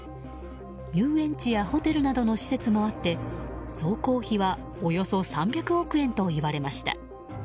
遊園地やホテルなどの施設もあって総工費はおよそ３００億円といわれました。